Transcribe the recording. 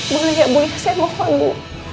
tapi ini iblis tpt inginkan bu